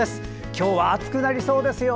今日は暑くなりそうですよ。